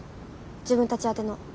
自分たち宛ての。